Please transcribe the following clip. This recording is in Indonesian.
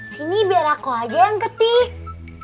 ini biar aku aja yang ketik